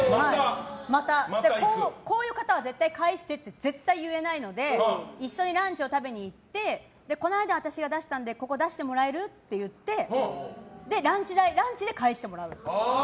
こういう方は絶対に絶対に返してって言えないので一緒にランチを食べに行ってこの間、私が出したのでここ出してもらえる？って言ってランチで返してもらう。